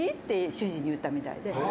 主人に言ったみたいで」